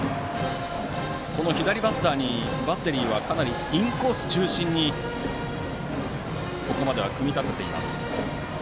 左バッターにバッテリーはかなりインコース中心にここまでは組み立てています。